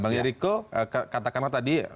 bang eriko katakanlah tadi